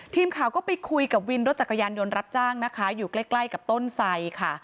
ทีมข่าวก็ไปคุยกับวินรถจักรยานยนต์รับจ้างนะคะอยู่ใกล้ใกล้กับต้นไสค่ะ